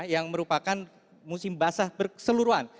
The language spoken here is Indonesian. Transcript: yang merupakan musim basah berseluruhan